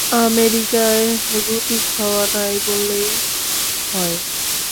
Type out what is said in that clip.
আমেরিকায় রুটি-খাওয়া নাই বললেই হয়।